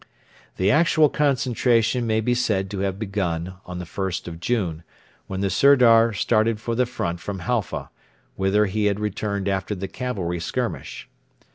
The actual concentration may be said to have begun on the 1st of June, when the Sirdar started for the front from Halfa, whither he had returned after the cavalry skirmish.